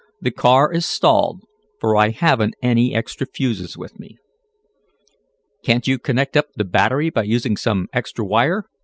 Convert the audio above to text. "The car is stalled, for I haven't any extra fuses with me." "Can't you connect up the battery by using some extra wire?"